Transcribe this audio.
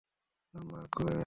মামা, কই যাচ্ছ?